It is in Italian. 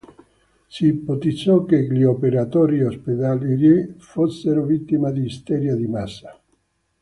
Si ipotizzò che gli operatori ospedalieri fossero vittima di isteria di massa.